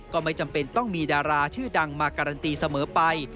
ก็ไม่จำเป็นต้องมีดาราชื่อดังมาการันตีเสมอไป